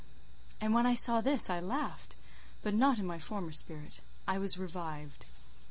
And when I saw this I laughed: but not in my former spirit. I was revived.